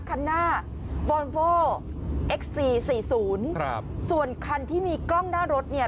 คันหน้าวอนโวเอ็กซีสี่ศูนย์ครับส่วนคันที่มีกล้องหน้ารถเนี่ย